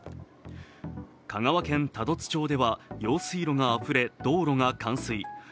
香川県多度津町では用水路があふれ道路が冠水。